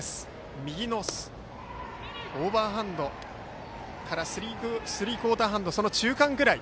右のオーバーハンドからスリークオーターハンドの中間くらい。